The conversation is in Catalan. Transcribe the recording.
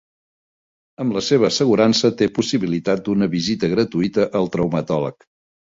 Amb la seva assegurança té possibilitat d'una visita gratuïta al traumatòleg.